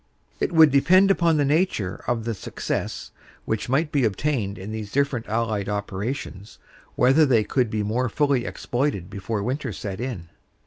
. "It would depend upon the nature of the success which might be obtained in these different Allied operations whether they could be more fully exploited before winter set in.